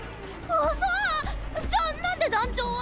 うそ⁉じゃあなんで団長は？